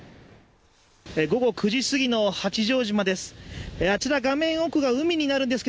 午後９時すぎの八丈島です